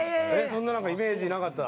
そんなイメージなかった。